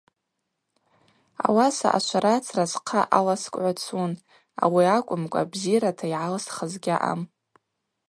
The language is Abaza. Ауаса ашварацра схъа аласкӏгӏвацун – ауи акӏвымкӏва бзирата йгӏалсхыз гьаъам.